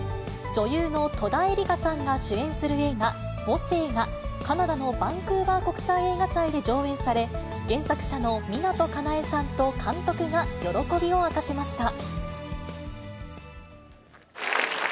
女優の戸田恵梨香さんが主演する映画、母性が、カナダのバンクーバー国際映画祭で上演され、原作者の湊かなえさんと監督が喜びを明かしました。